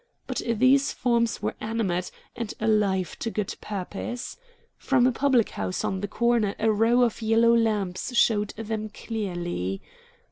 But these forms were animate, and alive to good purpose. From a public house on the corner a row of yellow lamps showed them clearly.